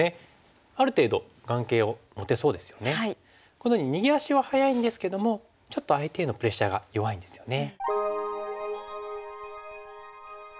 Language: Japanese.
このように逃げ足は早いんですけどもちょっと相手へのプレッシャーが弱いんですよね。